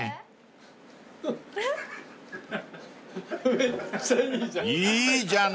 めっちゃいいじゃん。